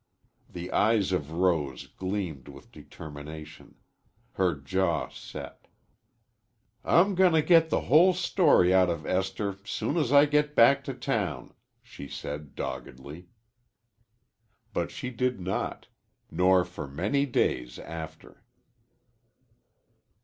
The eyes of Rose gleamed with determination. Her jaw set. "I'm gonna get the whole story out of Esther soon as I get back to town," she said doggedly. But she did not nor for many days after.